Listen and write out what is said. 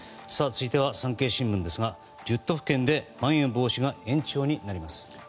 続いては産経新聞ですが１０都府県でまん延防止が延長になります。